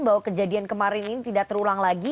bahwa kejadian kemarin ini tidak terulang lagi